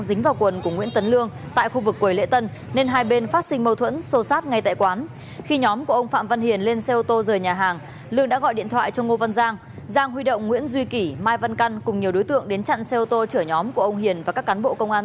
xin chào quý vị và các bạn